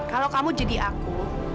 kalau kamu jadi aku